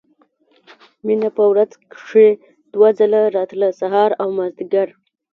مينه په ورځ کښې دوه ځله راتله سهار او مازديګر.